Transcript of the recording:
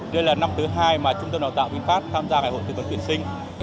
đây là năm thứ hai mà trung tâm đào tạo vinh pháp tham gia ngày hội tư vấn tuyển sinh